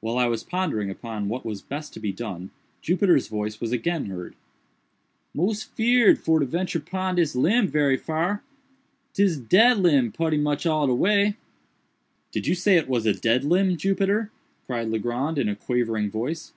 While I was pondering upon what was best to be done, Jupiter's voice was again heard. "Mos feerd for to ventur pon dis limb berry far—'tis dead limb putty much all de way." "Did you say it was a dead limb, Jupiter?" cried Legrand in a quavering voice.